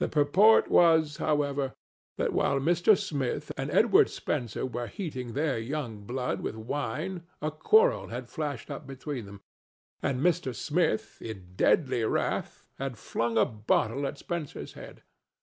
The purport was, however, that while Mr. Smith and Edward Spencer were heating their young blood with wine a quarrel had flashed up between them, and Mr. Smith, in deadly wrath, had flung a bottle at Spencer's head.